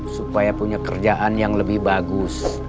supaya punya kerjaan yang lebih bagus